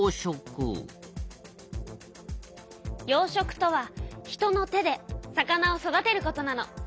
養殖とは人の手で魚を育てることなの。